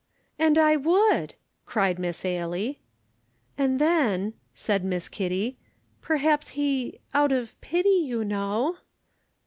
"And I would!" cried Miss Ailie. "And then," said Miss Kitty, "perhaps he, out of pity, you know!"